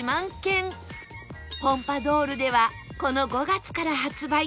ポンパドウルではこの５月から発売